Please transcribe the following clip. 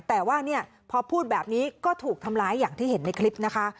แต่ว่าเนี่ยพอพูดแบบนี้ก็ถูกทำร้ายอย่างที่เห็นในคลิปนะคะ